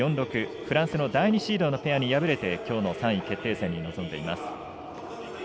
フランスの第２シードのペアに敗れてきょうの３位決定戦に臨んでいます。